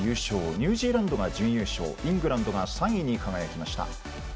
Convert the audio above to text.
ニュージーランドが準優勝イングランドが３位に輝きました。